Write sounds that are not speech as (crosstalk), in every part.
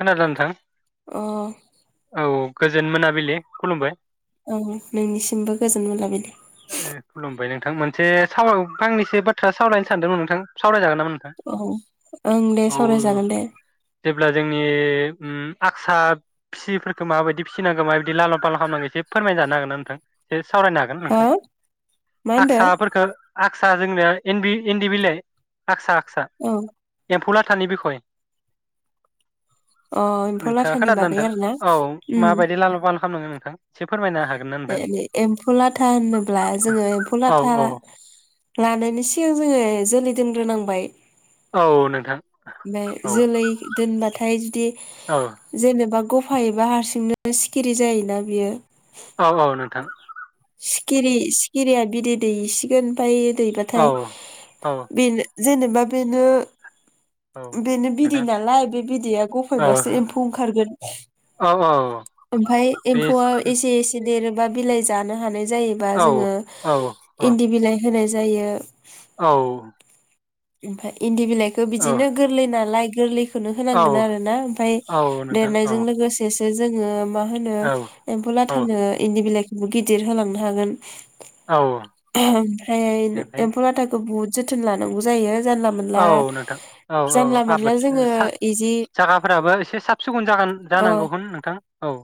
खोनादों नोथां? अ औ। गोजोन मोनाबिलि खुलुमबाय। औ नोंनिसिमबो गोजोन मोनाबिलि। ओ खुलुमबाय नोंथां मोनसे साव फांनैसो बाथ्रा सावरायायनो सानदोंमोन नोंथां सावरायजागोन नामा? नोंथां औ ओं दे सावरायजागोन दे। अब्ला जोंनि उम आसा फिसिफोरखौ माबायदि फिसिनांगौ माबायदि लाल फाल खालामनांगौ एसे फोरमायना जानो हागोन ना नोंथां? सावरायनो हागोन हो नोंथां मा होनदो हागसाफोरखो आक्सा जोंनाया इन्दि इन्दि बिलाइ आक्सा आक्सा औ एम्फौ लाथा। आक्सानि बिखय अ एम्फौ नोंथाङा लाथानि खोनादोंना बागै नोंथा? आरोना औ माबायदि लालु फाल खालामनांगोन नोंथां? एसे फोरमायनो हागोन ना नोंथां ए-एम्फौ लाथा होनोब्ला जोङो एम्फौ औ लाथा औ लानायनि सिगां जोङो जोलै दोनग्रोनांबाय। औ नोंथां औ। थाय जुदि औ जेनेबा गफ होफायोबा हारसिंनो सिखिरि जायोना बियो। औ औ नोंथां। सिखिरि सिखिरिया बिदै दैसिगोन ओमफाय औ दैबाथाय औ बेनो। जेनेबा बेनो औ बेनो बिदै नोंथां नालाय बे बिदैया औ गफायबासो एम्फौ ओंखारगोन औ औ ओमफाय बे एम्फौआ एसे एसे देरो। बा बिलाइ जा नो हानाय जायोबा औ जोङो औ औ इन्दि बिलाइ होनाय जायो। औ ओमफाय इन्दि बिलाइखौ बिदिनो गोरलै नालाय गोरलै खौनो औ होनांगोन आरोना ओमफ्राय औ नोंथां औ देरनायजों लोगोसे जोङो मा होनो औ औ एम्फौलाटानो इन्दि बिलाइ गिदिर होलांनो हागोन औ ओमफ्राय ओमफ्राय एम्फौ लाथाखौ बहुत जोथोन लानांगौ जायो औ नोंथां औ औ जानला मोनला आबाद जोङो इदि जागाफोराबो एसे साब सिखुन जागोन अ जानांगौ नोंथां औ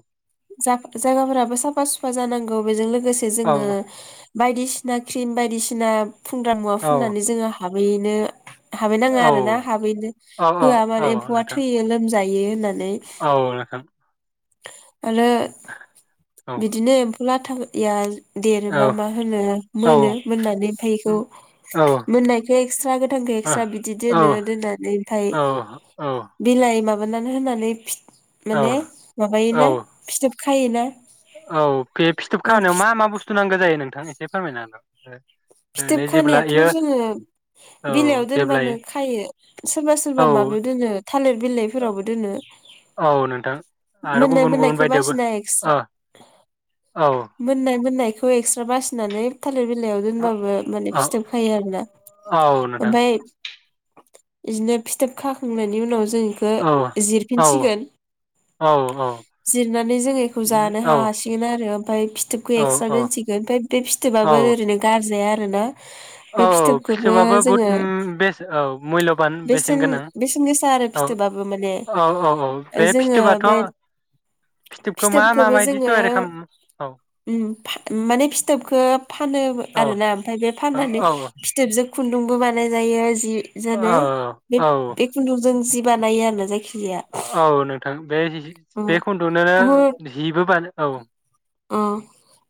औ बेजों लो गोसे औ जोङो बायदि सि ना क्रिम बायदिसिना फुंग्रा मुवा औ फुननानै जोङो हाबहैनो हाबैनाङा औ आरो ना हाबैनो औ होआ मा औ एम्फौआ नोंथां थैयो लोमजायो यो होनना औ नोंथां आरो औ बिदिनो लाटाया औ देरोबा मा होनो औ मोनो मोननानै जे इखौ औ मोननायखो एकस्रा गोथांखो एकस्रा बिदि दोनो दोननानै ओमफाय औ बिलाय लाय माबानानै होनानै फि औ माने औ माबायोना फिथोब खायोना। औ बे फिथोब अ खाहोनायाव फि- मा मा बुस्थु नांगौ जायो नोंथां एसे फोरमायनो हागोन फिथोब ओरैनो जेब्ला खानायाथ' इयो जोङो औ बिलाइयाव जेब्ला दोनबानो खायो सोरबा सोरबा औ माबायाव दोनो थालिर बिलाइफोरावबो दोनो औ नोंथां आरो मोननाय गुबुन गुबुन मोननायखौ बायदियावबो बासिना एक्सट्रा ओ औ मोननाय मोननाय बेखौ एक्सट्रा बासिनानै थालिर बिलायाव दोनबाबो ओ माने औ फिथोब खायो आरोना औ नोंथां ओमफ्राय बिदिनो फिथोब खाखांनायनि उनाव जों इखो औ औ जिरफिनसिगोन औ औ जिरनानै जों बेखौ जानो हासिगोन आरो जों फाय फि फिथोबखौ औ एक्स्रा औ दोनसिगोन ओमफ्राय बे फिथोबाबो औ ओरैनो गार जाया रा ना बे औ फिथोबखौबो फिथोबाबो बहुद जोङो बेस औ मुल्यबान बेसेन गोनां बेसेन गोसा आरो औ फिथोबाबो माने औ औ औ बे जोङो फिथोबाथ' बे फिथोबखौ मा फिथोबखौबो माबायदि जोङो तयारि खालाम औ उम माने फिथोबखो फानोबो औ आरोना औ फाननानै औ फिथोबजों खुन्दुंबो बानाय जायो जि जि औ (unintelligible) बे औ बे खुन्दुंजों जि बानायो आरो जायखि औ नोंथां बे जि बे खुन्दुंनोनो बुहुद जिबो बानो औ अ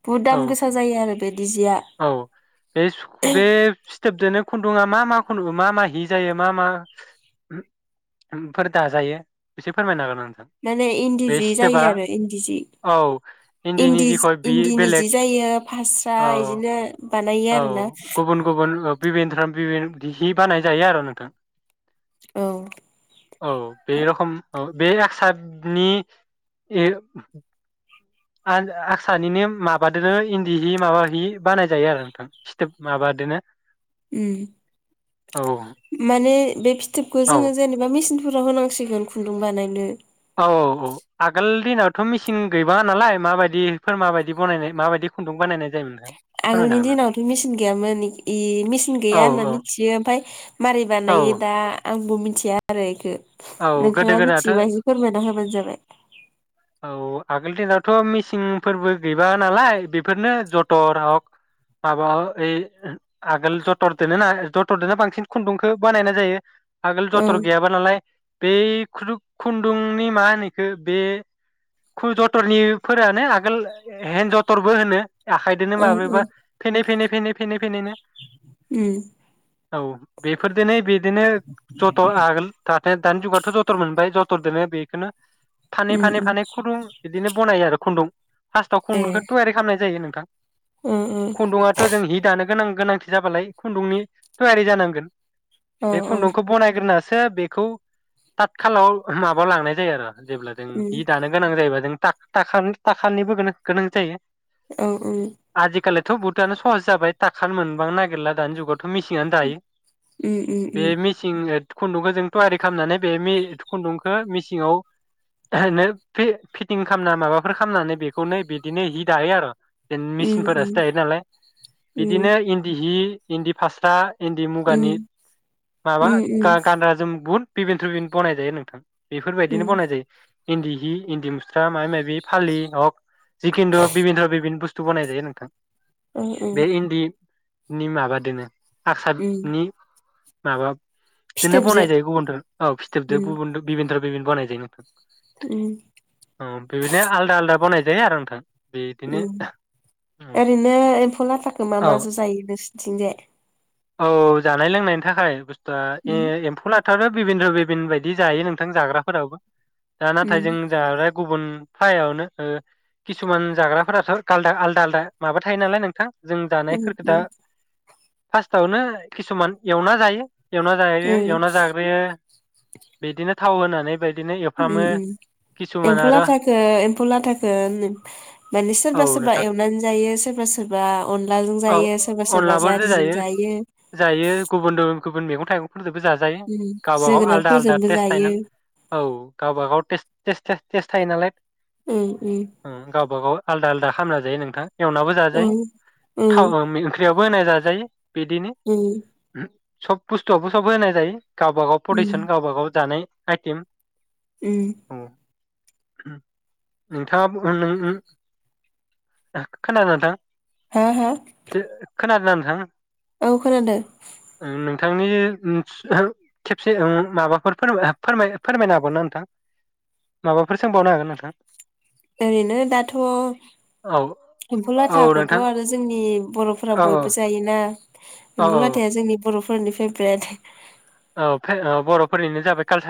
बुहुद औ। दाम गोसा जायो आरो बेदि जिया औ बे बे फिथोबजोनो खुन्दुंआ मा मा खुंन्दुं मा मा हि जायो मा माफोर दाजायो एसे फोरमायनो हागोन नोंथां माने इन्दि बे जि सिथोबा जायो आरो इन्दि जि औ इन्दिनि इन्दिजि जिखय बि इन्दिनि बेलेग जि जायो फास्रा औ इदिनो बानायो औ आरोना गुबुन गुबुन (unintelligible) हि बानाय जायो आरो नोंथां औ (inaudible) औ बे रखम औ बे (unintelligible) आ-आसानिनो माबादो इन्दि हि माबा हि बानायजायो आरो नोंथां फिथोब माबादोनो औ ओम माने बे फिथोबखौ औ जोङो जेनेबा मेचिन फोराव होनांसिगोन खुन्दुं बानायनो औ औ औ आगोल दिनावथ मिसिं गैबाङा नालाय माबायदिफोर माबायदि बानायनाय माबायदि खुन्दुं बानायनाय जायोमोन नोंथां? एसे फोरमायनो हागोन आगोलनि नामा? दिनावथ मेचिन गैयामोन मेचिन गैया होनना औ मिथियो ओमफ्राय मारै औ बानायो दा आंबो मिथिया थिया आरो एखौ औ गोदो नोंथाङा गोदायाथ' मिथियोबा एसे फोरमायना होबानो जाबाय औ आगोल दिनावथ मिसिंफोरबो गैबा नालाय बेफोरनो जथर हक माबा ओइ आगोल जथरदोनो ना जथरदोनो बांसिन खुन्दुंखौ बानायनाय जायो आगोल औ जथ्र गैयाबा नालाय बे खुन्दुं खुन्दुंनि मा होनोखौ बे खु जथरनि फोरानो आगोल हेन जथरबो होनो आखाइजोंनो औ माब्रैबा औ फेनै फेनै फेनै फेनै फैनैनो उम औ बेफोरजोंनो बे बिदिनो जथ आगोल था दानि जुगावथ जथर मोन बाय जथुरदोंनो बेखोनो फानै उम फानै उम फानै खुन्दुं बिदिनो बनायो आरो खुन्दुं फास्टआव ए खुन्दुंखौ थयारि खालामनाय जायो नों ओ ओ (inaudible) खुन्दुआथ जों हि दानो गोनां गोनांथि जाबालाय खुन्दुंनि थयारि जानांगोन औ बे औ खुन्दुंखौ बनायग्रोनासो सो बेखौ थाथ खाालाव माबा लांनाय जायो आरो जेब्ला जों उम जि दानो गोनां जायोब्ला जों थाख थाखानिबो गोनां जायो औ औ दाथ बहुथआनो सहस जाबाय थाखानो मोनबांनो नागिरला दानि जुगाव दाथ मेसिंआनो दायो उम उम बे उम मेसिं खुन्दुंखौ जों थयारि खालामनानै बे खुन्दुंखौ मिसिङाव फिटिं खालामना माबाफोर खालामनानै बेखौनो बिदिनो हि दायो आरो जेन मेसिनफोरासो उम दायो नालाय उम बिदिनो इन्दि हि इन्दि फास्रा इन्दि उम मुगानि माबा उम उम गानग्रा जोम बुहुद (unintelligible) बनायजायो नोंथां बेफोरबायदिनो उम बनाय जायो इन्दि हि इन्दि मुस्रा माइ माइबि फालि हक जिखिन्थु बिभिनथ' बिबिन बुस्थु बानायनाय जायो नोंथां औ औ बे इन्दि नि माबादोनो उम (unintelligible) माबा बिदिनो फिथोबजो बनाइ जायो गुबुनदों फिथोबदो उम गुबुनदो बिबाय (unintelligible) बनाय जायो नोंथां उम अ बिदिनो आलदा आलदा बानाय जायोआरो नोंथां बिदिनो ओं औ ओरैनो एम्फौ लाथााखौ मा औ माजों जायो नोंसोरथिंजाय औ जानाय लोंनायनि थाखाय बुस्थुआ ए उम एम्फौ था बिबिनद्र बिबिन बायदि जायो नोंथां जाग्राफोरावबो दा नाथाय उम जों जाबाय गुबुन फ्रायावनो ओ किसुमान जाग्राफोराथ' आलदा आलदा आलदा माबा थायो नालाय नोंथां जों उम जानायफोरखो दा उम फार्स्टआवनो किसुमान एवना जायो। एवना जायो उम एवना जाग्रोयो बिदिनो थाव होनानै बाय उम उम एम्फौ लाथाखौ एम्फौ लाथाखौ नो माने सोरबा औ सोरबा नोंथां एवनानै जायो सोरबा सोरबा अनलाजों औ जायो सोरबा सोरबा जारिजों जायो जायो गुबुनद गुबुन गुबुन मेगं (unintelligible) जाजायो उम गावबा गाव आलदा आलदा जोगोनारफोरजोंबो टेस्ट जायो थायोना औ गावबागाव टेस्ट टेस्ट थायो नालाय उम उम ओ गावबा गाव आलदा आलदा खामना जायो नोंथां एवनाबो जाजायो उम उम थावबा ओंख्रियाव (unintelligible) जाजायो बिदिनो उम सब बुस्तुवाबो सब होनाय जायो। गावबाागाव उम पडिसन गावबा गाव जानाय आयथिम उम ओम नोंथाङा बुं ओम ओम ओ खोनादों नोंथां? हा हा खोनादोंना नोंथां? औ खोनादों। थांनि ओम खेबसे ओम माबाफोर फोर-फोर-फोरमायनो हागौ ना नोंथां माबाफोर सोंबावनो हागोन नोंथां? ओरैनो दाथ' औ एम्फौ औ लाथाखौथ' नोंथां आरो जोंनि बर'फोरा औ बयबो जायोना औ एम्फौ लाथाया जोंनि बर' फोरनि फेभ्रेट। औ भबे बर'फोरनिनो जाबाय काल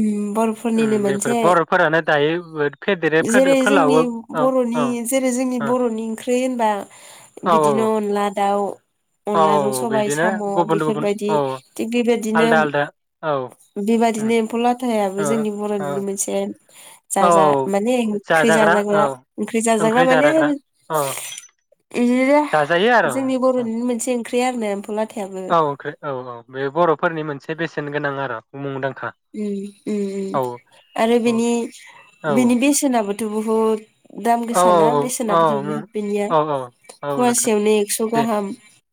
ओम बर'फोरनिनो मोनसे बर'फोरानो दायो फेदेरो फोद- जेरै जोंनि फोलावो औ औ बर'नि जेरै जोंनि बर'नि ओंख्रि होनबा औ बिदिनो अनला दाउ औ अनलाजों सबाय बिदिनो साम' गुबुन गुबुन बेफोरबायदि औ थिग आलदा आलदा औ बेबायदिनो-बेबायदिनो, एम्फौ औ लाथायाबो जोंनि बर'नि मोनसे जाजा औ माने ओंख्रि जाजाग्रा ओंख्रि जाजाग्रा माने इदिनो जाजायो आरो जोंनि औ बर'नि मोनसे ओंख्रि आरो एम्फौ ला औ ओंख्रि औ औ बे बर'फोरनि मोनसे बेसेन गोनां आरो मुंदां ओम-ओम-ओम आरो बेनि-बेनि बेसेनाबो थ' बुहुद दाम गोसाना बेसेनाबोथ' बुहुद बेनिया औ-औ-औ-औ-औ-औ-औ नोंथां, फवासेयावनो एक्स' बे गाहाम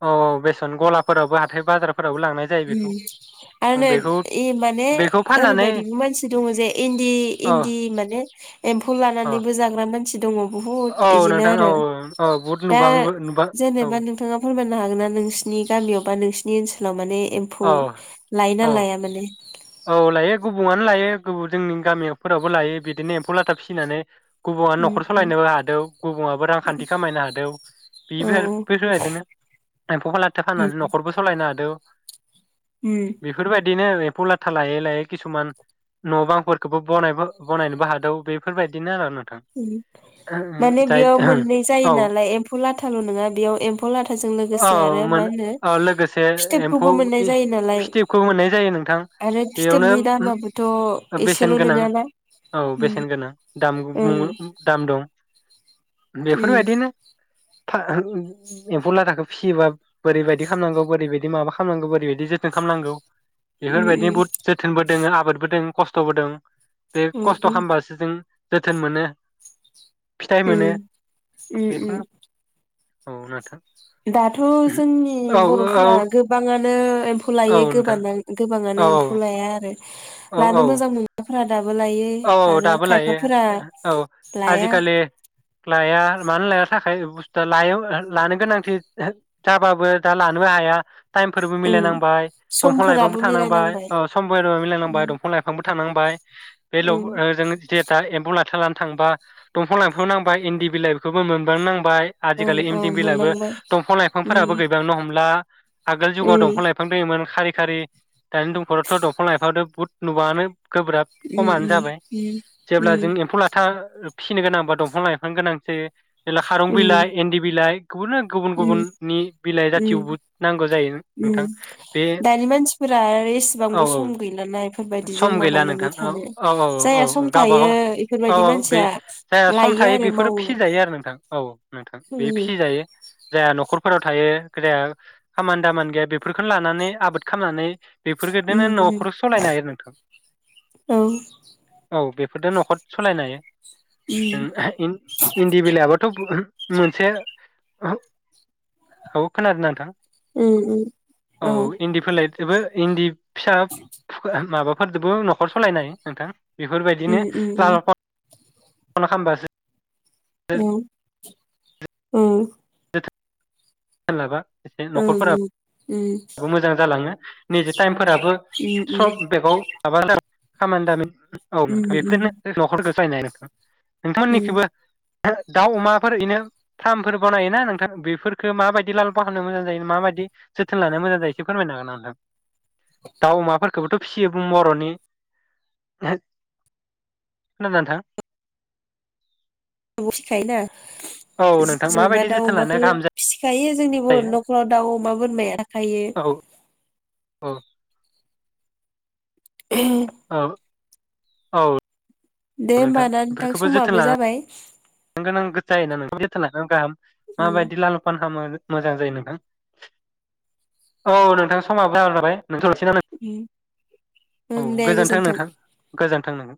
औ-औ बेसेन गलाफोराबो हाथ थाय बाजार ओम आरो नै बेखौ इ माने बेखौ फाननानै ओरैबायदिबो मानसि दङ जे औ इन्दि-इन्दि माने एम्फौ औ लानानैबो जाग्रा मान सि दङ । बुहुद औ बिदिनो नोंथां औ आरो औ बहुद दा नुबां नुबां औ जेनेबा नोंथाङा फोरमायनो हागोन ना नोंसिनि गामियाव बा नोंसिनि ओनसो माने एम्फौ औ लायना औ लाया माने? औ लायो गुबुंआनो लायो गुबन जोंनि गामिफोरावबो लायो बिदिनो एम्फौ लाथा फिनानै गुबुनानो उम न'खर उम सालायनोबो हादों। गुबुनाबो रांखान्थि खामायनो हादों औ बेफोर औ बेफोरबायदिनो एम्फौ खालाखो फाननानै न'खरबो सालायनो हादों। उम बेफोरबायदि बिदिनो एम्फौ ला था लायै लायै किसुमान न' बांफोरखौबो बनायबो बनायनोबो हादों बेफोरबायदिनो आरो नों उम, माने बेयाव मोननै जायो औ नालाय एम्फौ लाथाल' नङा बेयाव ए औ मोन औ लोगोसे फिथोबखौबो मोननाय एम्फौनि जायो नालाय फिथिकखौ मोननाय जायो नोंथां, आरो बेयावनो फिथोबनि दामाबोथ' ओ बेसेन एसेल' गोनां नङाना औ उम बेसेन गोनां दाम ओं ओम दाम दं। उम बेफोरबायदिनो (unintelligible) एम्फौ लाथा खौ फियोबा बोरैबायदि खालामनांगौ बोरैबायदि माबा खालामनांगौ बोरैबायदि जोथोन खालामनांगौ बेफोरबायदिनो बहुद जोथोनबो दोङ आबादबो दोङो खस्थ'बो दों। बे खस्थ' उम खालामबासो जों जोथोन मोनो। फिथाइ उम मोनो उम बेखौनो औ नोंथां (inaudible) दाथ' जोंनि औ औ बर'फोरा गोबाङानो एम्फौ औ लायो नोंथां गोबाङा औ गोबाङानो एम्फौ लाया आरो औ लानो औ मोजां मोनग्राफोरा दाबो लायो औ आरो दाबो लायो खायफाफोरा औ। लाया आजिखालि लाया मानो लानो थाखाय बुस्थुआ लायो लानो गोनांथि जाबाबो दा लानोबो हाया टाइमफोरबो उम मिलायनांबाय, दंफां लाइफांबो समफोराबो थानांबाय, मिलायनांबाय ओ समफोरबो मिलायनांबाय, उम दंफां लाइफांबो थानांबाय। बेल उम जों जिथा एम्फौ लाथा नानो थांबा दंफां लाइफां नांबाय, इन्दि बिलाइखौबो मोनबांनो नां बाय औ आजिखालि औ इन्दि बिलाबो मोनलांबाय दंफां लाइफांफोराबो गैबांनो हमला, आगोल जुगाव दंफां लाइफां दयोमोन खारि दानि दमखरावथ' दंफां लाइफां बुहुद नुबाङानो गोब्राब खमानो जाबाय। जेब्ला जों एम्फौ लाथा फिसिनो गोनां बा दंफां लाइफां गोनांथि जायो जेला खारं बिलाइ, इन्दि बिलाइ, गुबुननो गुबुन गुबुननि बिलाइ जाथियावबो नांगौ जायो नोंथां बे दानि मानसिफोरा आरो औ एसेबांबो औ सम गैलाना बेफोरबायदिजों सम गैला माबानानै नोंथां औ थानो औ औ जायहा सम औ। थायो गबागाव औ बेफोरबायदि औ बे मानसिया जायहा सम लायो थायो आरो बेफोरो मावो फिसि जायो आरो नोंथां औ औ नोंथां उम बे फिसि जायो‌ जाया न'खरफोराव थायो जाया खामानि दामानि गैया बेफोरखौनो लानानै आबाद खालामनानै बेफोरबायदिनो उम न'खर सालायनो हायो नोंथां औ औ बेफोरदों न'खर सालायनो हायो। उम, इन इन्दि बिलायाबथ' बु मोनसे औ खोनादों नोंथां उम उम औ जेबो इन्दि फिसा माबाफोरजोंबो नखर सालायनाय नोंथां उम बेफोरबायदिनो उम (inaudible) उम खालामबासो औ (unintelligible) (inaudible) सोलाबा ओं मोजां जालाङो नैजे टाइमफोराबो उम सप बेगाव माबा खामानि दामानि औथ उम उम बेफोरनो न'खरखो। (unintelligible) उम नोंथांमोननिखैबो दाउ अमाफोर इनो फार्मफोर बानायोना नोंथां बेफोरफोरखौ माबायदि लाल फाल खालामनो मोजां जायो माबायदि जोथ थोन लानाया मोजां जायो इसे फोरमायनो हागोन नामा नोंथां? दाउ अमाफोर गोबोथ' फिसियो बुं बर'नि खोनादोंना नोंथां फिसिखायोना? औ नोंथां माबायदि जोथोन लानाया गाहाम जायो? दायो जोंनि बर'नि न'खराव दाउ अमा बुं माया हायो। औ औ। औ औ दे होमबाना नोंथां समाबो जाबाय नांगो जायो ना‌ जोथोन लानाया गाहाम उम माबायदि लाल फान खामो। मोजां जायो नोंथां औ नोंथां समाबो जाबाय नालाय नोंथ (unintelligible) लासै नों उम औ ओं दे गोजोनथों गोजोन्थों नोंथां गोजोन। थांनांगोन।